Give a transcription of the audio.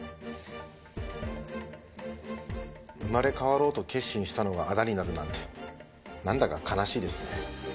生まれ変わろうと決心したのがあだになるなんてなんだか悲しいですね。